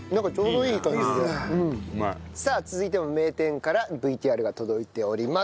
さあ続いても名店からＶＴＲが届いております。